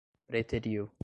preteriu